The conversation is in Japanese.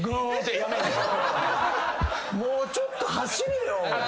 もうちょっと走れよ。